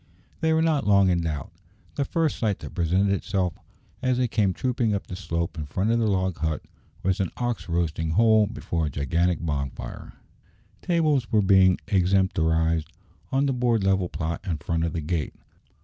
They were not long in doubt. The first sight that presented itself, as they came trooping up the slope in front of the log hut, was an ox roasting whole before a gigantic bonfire. Tables were being extemporized on the broad level plot in front of the gate.